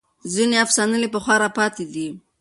ځینې افسانې له پخوا راپاتې دي.